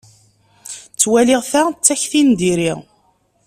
Ttwaliɣ ta d takti n diri.